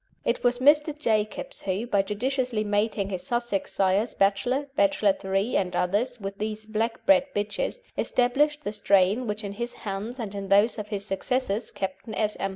It was Mr. Jacobs who, by judiciously mating his Sussex sires Bachelor, Bachelor III., and others with these black bred bitches, established the strain which in his hands and in those of his successors, Captain S. M.